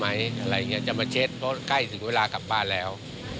อะไรอย่างนี้จะมาเช็ดเพราะใกล้ถึงเวลากลับบ้านแล้ว